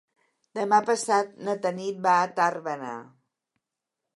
Demà passat na Tanit va a Tàrbena.